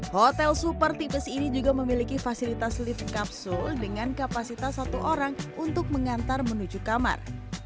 hotel super tipis ini juga memiliki fasilitas lift kapsul dengan kapasitas satu orang untuk mengantar menuju kamar